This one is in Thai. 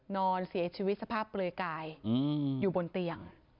นอนเสียชีวิตสภาพเปลือยกายอยู่บนเตียง